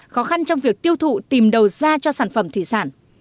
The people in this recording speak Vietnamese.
khó khăn trong việc tiêu thụ tìm đầu ra cho sản phẩm thủy sản